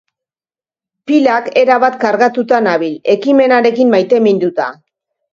Pilak erabat kargatuta nabil, ekimenarekin maiteminduta.